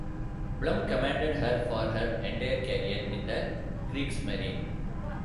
Blum commanded her for her entire career in the Kriegsmarine.